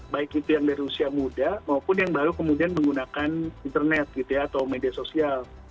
baik itu yang dari usia muda maupun yang baru kemudian menggunakan internet gitu ya atau media sosial